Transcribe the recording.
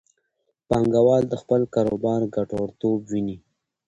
پانګوال د خپل کاروبار ګټورتوب ویني.